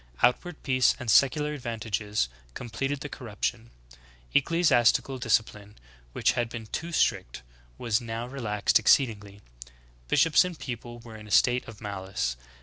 Outward peace and secular advantages completed the corruption. Ecclesiastical discipline, which had been too strict, was now relaxed exceedingly ; bishops and people were in a state of malice.